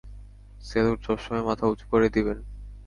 Salute সবসময় মাথা উঁচু করে দিবেন!